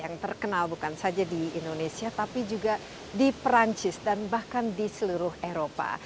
yang terkenal bukan saja di indonesia tapi juga di perancis dan bahkan di seluruh eropa